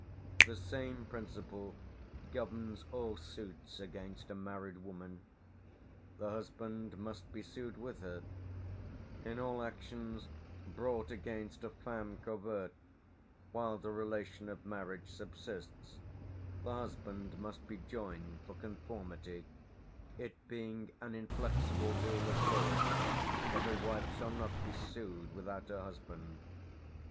The same principle governs all suits against a married woman; the husband must be sued with her: "In all actions brought against a feme covert while the relation of marriage subsists, the husband must be joined for conformity, it being an inflexible rule of law that a wife shall not be sued without her husband....